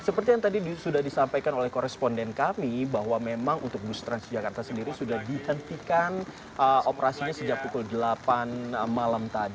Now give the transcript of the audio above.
seperti yang tadi sudah disampaikan oleh koresponden kami bahwa memang untuk bus transjakarta sendiri sudah dihentikan operasinya sejak pukul delapan malam